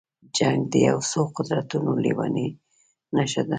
جنګ د یو څو قدرتونو لېونۍ نشه ده.